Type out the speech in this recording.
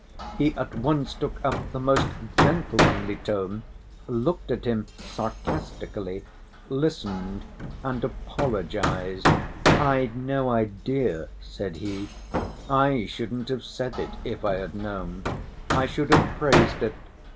He at once took up the most gentlemanly tone, looked at him sarcastically, listened, and apologized. 'I'd no idea,' said he. 'I shouldn't have said it, if I had known. I should have praised it.